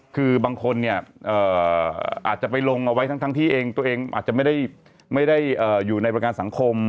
คือบางคนเนี่ยอาจจะไปลงเอาไว้ทั้งที่เองตัวเองอาจจะไม่ได้อยู่ในประกันสังคม